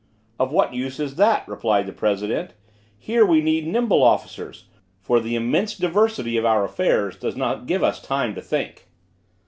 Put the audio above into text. "Of what use is that," replied the president; "here we need nimble officers, for the immense diversity of our affairs does not give us time to think."